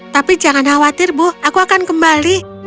tapi jangan khawatir bu aku akan kembali